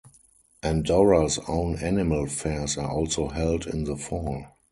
Andorra's own animal fairs are also held in the fall.